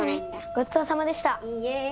ごちそうさまでした。